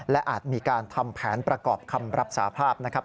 และอาจมีการทำแผนประกอบคำรับสาภาพนะครับ